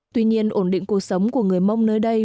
tuy nhiên ổn định cuộc sống của người mông nơi đây